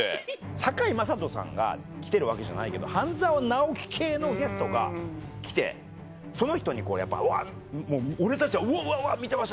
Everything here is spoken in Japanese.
堺雅人さんが来てるわけじゃないけど『半沢直樹』系のゲストが来てその人にこうやっぱ俺たちは「うわうわうわ！見てました」